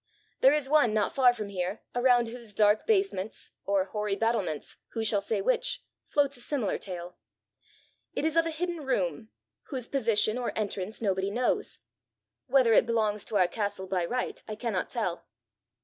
There is one not far from here, around whose dark basements or hoary battlements who shall say which? floats a similar tale. It is of a hidden room, whose position or entrance nobody knows. Whether it belongs to our castle by right I cannot tell."